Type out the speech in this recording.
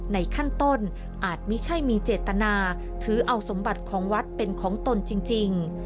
ในขั้นต้นอาจไม่ใช่มีเจตนาถือเอาสมบัติของวัดเป็นของตนจริง